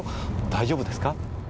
大丈夫ですか？